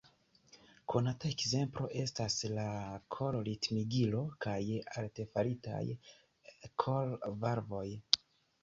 Konata ekzemplo estas la kor-ritmigilo kaj artefaritaj kor-valvoj.